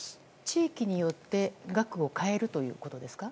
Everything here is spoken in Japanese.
地域によって額を変えるということですか。